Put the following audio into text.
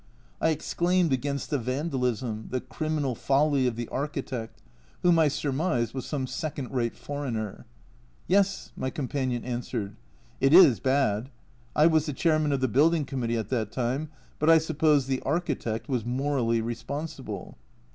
I exclaimed against the vandalism, the criminal folly of the architect, whom I surmised was some second rate foreigner. "Yes," my com panion answered, " it is bad. I was the Chairman of the Building Committee at that time, but I suppose the architect was morally responsible."